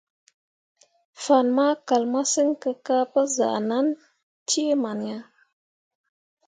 Fan ma kal masǝŋ kǝ ka pǝ zah ʼnan cee man ya.